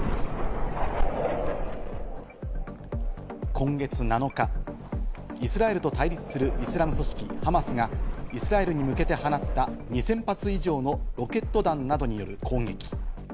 今月７日、イスラエルと対立するイスラム組織ハマスがイスラエルに向けて放った２０００発以上のロケット弾などによる攻撃。